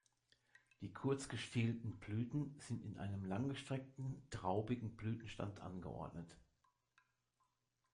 Die kurzgestielten Blüten sind in einem langgestreckten, traubigen Blütenstand angeordnet.